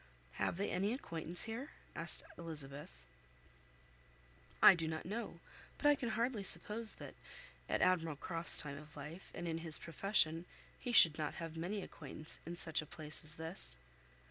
"Have they any acquaintance here?" asked Elizabeth. "I do not know; but I can hardly suppose that, at Admiral Croft's time of life, and in his profession, he should not have many acquaintance in such a place as this."